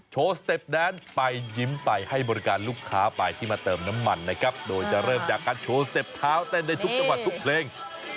สเต็ปแดนไปยิ้มไปให้บริการลูกค้าไปที่มาเติมน้ำมันนะครับโดยจะเริ่มจากการโชว์สเต็ปเท้าเต้นได้ทุกจังหวัดทุกเพลง